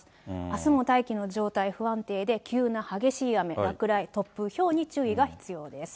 あすも大気の状態不安定で、急な激しい雨、落雷、突風、ひょうに注意が必要です。